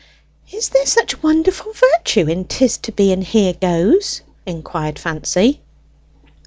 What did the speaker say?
'" "Is there such wonderful virtue in ''Tis to be, and here goes!'" inquired Fancy.